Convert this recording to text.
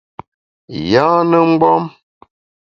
Yâne mgbom !